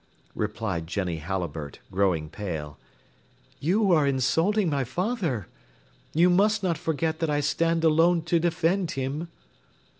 replied Jenny Halliburtt, growing pale, "you are insulting my father; you must not forget that I stand alone to defend him."